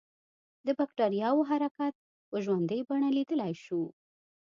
د بکټریاوو حرکت په ژوندۍ بڼه لیدلای شو.